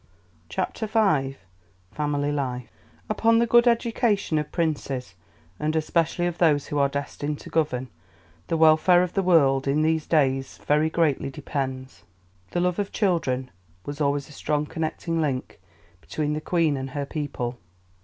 CHAPTER V: _Family Life "Upon the good education of princes, and especially of those who are destined to govern, the welfare of the world in these days very greatly depends." The love of children was always a strong connecting link between the Queen and her people.